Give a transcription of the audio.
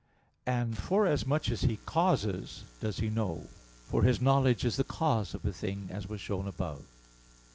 And for as much as He causes, does He know; for His knowledge is the cause of a thing, as was shown above (Q.